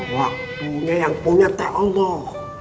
waktunya yang punya ta'allah